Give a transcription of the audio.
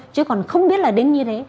chứ còn không biết là đến như thế